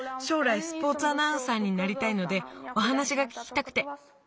しょうらいスポーツアナウンサーになりたいのでおはなしがききたくて。